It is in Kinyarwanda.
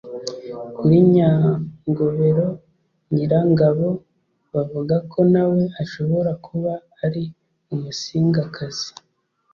Kuri Nyangobero Nyirangabo (bavuga ko nawe ashobora kuba ari umusingakazi)